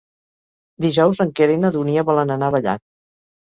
Dijous en Quer i na Dúnia volen anar a Vallat.